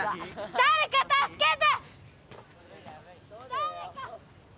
誰か助けて！